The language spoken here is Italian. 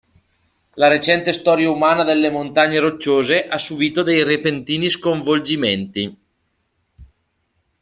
La recente storia umana delle Montagne Rocciose ha subito dei repentini sconvolgimenti.